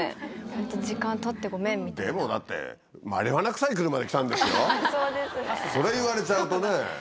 本当、でもだって、マリファナ臭い車で来たんですよ、それ言われちゃうとね。